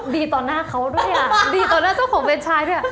ดีต่อหน้าเขาด้วยอ่ะดีต่อหน้าเจ้าของเวรชายด้วย